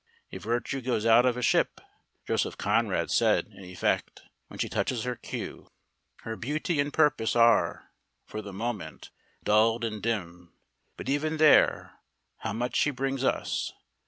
A virtue goes out of a ship (Joseph Conrad said, in effect) when she touches her quay. Her beauty and purpose are, for the moment, dulled and dimmed. But even there, how much she brings us.